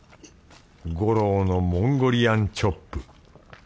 五郎のモンゴリアンチョップ。